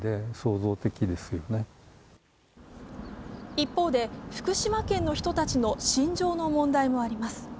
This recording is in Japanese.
一方で、福島県の人たちの心情の問題もあります。